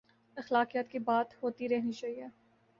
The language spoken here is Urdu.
اخلاقیات کی بات ہوتی رہنی چاہیے۔